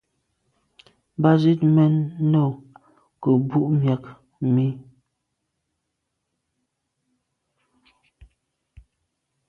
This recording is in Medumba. Mba zit mèn no nke mbù’ miag mi.